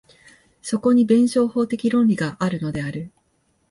そこに弁証法的論理があるのである。